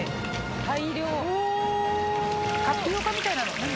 大量タピオカみたいなの何これ。